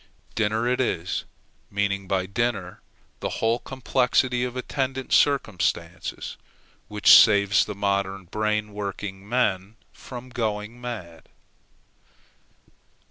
Dinner it is, meaning by dinner the whole complexity of attendant circumstances, which saves the modern brain working men from going mad.